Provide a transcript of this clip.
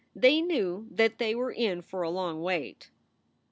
They knew that they were in for a long wait.